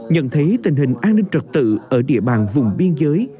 nhận thấy tình hình an ninh trật tự ở địa bàn vùng biên giới